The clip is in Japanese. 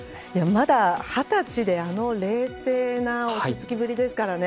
まだ、２０歳であの冷静な落ち着きぶりですからね。